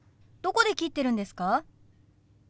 どこで切ってるんですか？